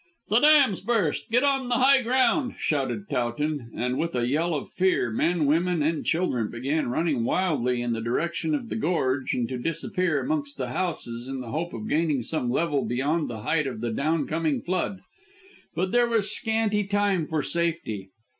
"The dam's burst: get on the high ground," shouted Towton, and with a yell of fear men, women, and children began to run wildly in the direction of the gorge and to disappear amongst the houses in the hope of gaining some level beyond the height of the down coming flood. But there was scanty time for safety.